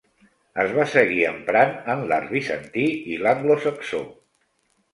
Es va seguir emprant en l'art bizantí i l'anglosaxó.